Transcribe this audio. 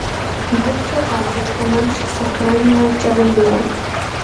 ИкъукӀэ гъуазэ тэмэмщ сэхуранымрэ кӀэрынымрэ.